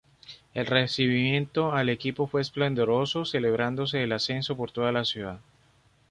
El recibimiento al equipo fue esplendoroso, celebrándose el ascenso por toda la ciudad.